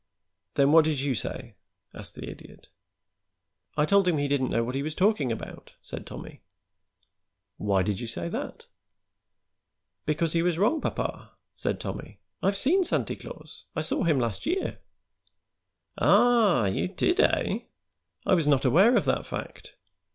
"Then what did you say?" asked the Idiot. "I told him he didn't know what he was talking about," said Tommy. "Why did you say that?" "Because he was wrong, papa," said Tommy. "I've seen Santy Claus; I saw him last year." "Ah! You did, eh? I was not aware of that fact."